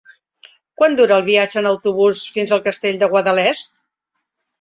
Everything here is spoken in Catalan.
Quant dura el viatge en autobús fins al Castell de Guadalest?